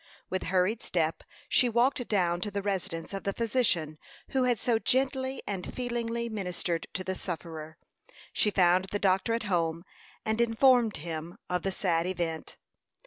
With hurried step she walked down to the residence of the physician who had so gently and feelingly ministered to the sufferer. She found the doctor at home, and informed him of the sad event.